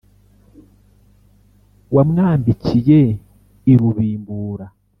wa mwambikiye i rubimbura.